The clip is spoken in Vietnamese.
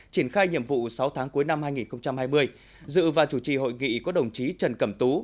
triển khai nhiệm vụ sáu tháng cuối năm hai nghìn hai mươi dự và chủ trì hội nghị có đồng chí trần cẩm tú